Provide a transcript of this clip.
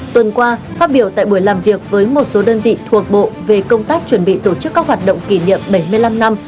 tuần qua phát biểu tại buổi làm việc với một số đơn vị thuộc bộ về công tác chuẩn bị tổ chức các hoạt động kỷ niệm bảy mươi năm năm